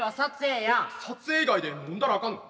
撮影以外で飲んだらアカンの？